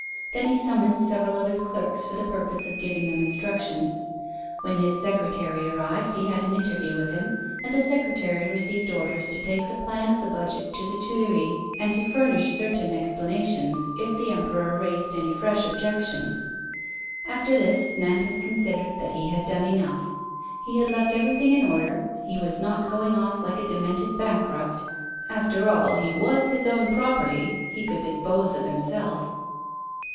Then he summoned several of his clerks for the purpose of giving them instructions. When his secretary arrived he had an interview with him, and the secretary received orders to take the plan of the Budget to the Tuileries, and to furnish certain explanations if the Emperor raised any fresh objections. After this, Nantas considered that he had done enough. He had left everything in order; he was not going off like a demented bankrupt. After all, he was his own property; he could dispose of himself.